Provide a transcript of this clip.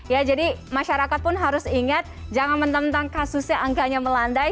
ya jadi masyarakat pun harus ingat jangan mententang kasusnya angkanya melandai